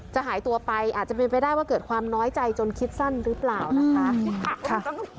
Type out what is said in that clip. หายตัวไปอาจจะเป็นไปได้ว่าเกิดความน้อยใจจนคิดสั้นหรือเปล่านะคะ